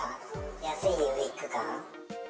安いウイッグ感。